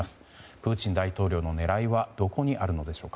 プーチン大統領の狙いはどこにあるのでしょうか。